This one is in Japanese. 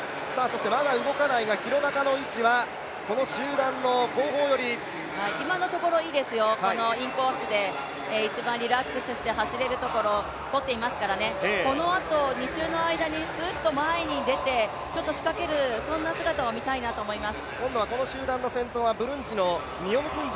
まだ動かないが廣中の位置はこの集団の後方より今のところいいですよ、インコースで一番リラックスして走れるところをとっていますからね、このあと２周の前にスッと前に出て仕掛ける、そんな姿を見たいなと思います。